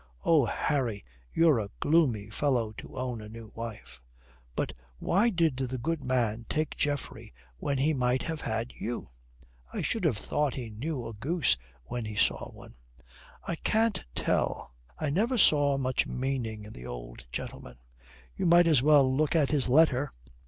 Oh, Harry, you're a gloomy fellow to own a new wife. But why did the good man take Geoffrey when he might have had you? I should have thought he knew a goose when he saw one." "I can't tell. I never saw much meaning in the old gentleman." "You might as well look at his letter."